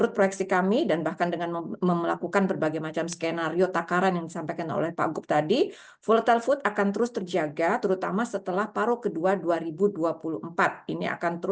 jadi dari hasil pengawasan kami atas kewajiban pemasukan ppe